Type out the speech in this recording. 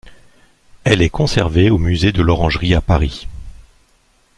Elle est conservée au Musée de l'Orangerie à Paris.